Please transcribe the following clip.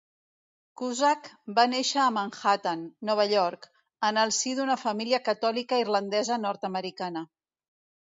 Cusack va néixer a Manhattan, Nova York, en el si d'una família catòlica irlandesa nord-americana.